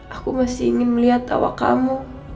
aku masih ingin melihat tawa kamu